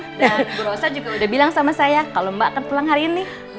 dan bu rosa juga udah bilang sama saya kalau mbak akan pulang hari ini